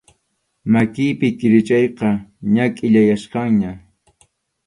Makiypi kʼirichayqa ña kʼillayachkanña.